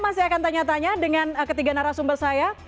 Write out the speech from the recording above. masih akan tanya tanya dengan ketiga narasumbernya